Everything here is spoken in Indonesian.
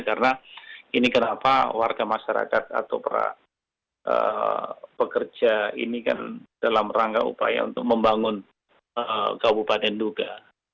karena ini kenapa warga masyarakat atau para pekerja ini kan dalam rangka upaya untuk membangun kabupaten nduga